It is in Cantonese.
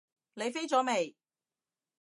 你飛咗未？